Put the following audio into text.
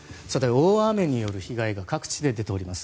大雨による被害が各地で出ています。